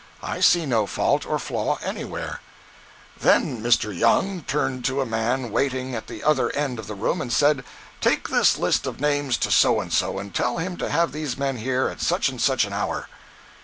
I see no fault or flaw anywhere.' "Then Mr. Young turned to a man waiting at the other end of the room and said: 'Take this list of names to So and so, and tell him to have these men here at such and such an hour.